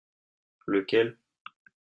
Lequel ?